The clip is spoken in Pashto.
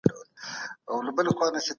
د کیفیتي کنټرول سیسټم اړین دی.